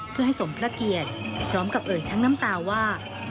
เพื่อให้สมพระเกียรติพร้อมกับเอ่ยทั้งน้ำตาว่า